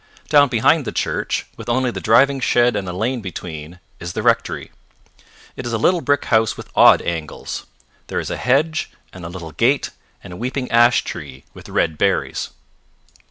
Down behind the church, with only the driving shed and a lane between, is the rectory. It is a little brick house with odd angles. There is a hedge and a little gate, and a weeping ash tree with red berries.